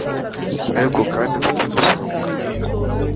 Ariko kandi mfite umusonga